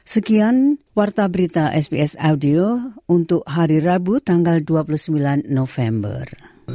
sekian kuartal berita sps audio untuk hari rabu tanggal dua puluh sembilan november